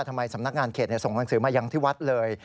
ทำไมสำนักงานเขตส่งหนังสือมายังที่วัดเลย